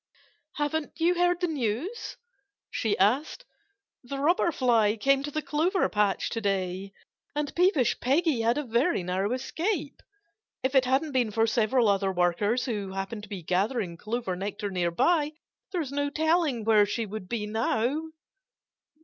"Haven't you heard the news?" she asked. "The Robber Fly came to the clover patch to day. And Peevish Peggy had a very narrow escape. If it hadn't been for several other workers who happened to be gathering clover nectar nearby, there's no telling where she would be now."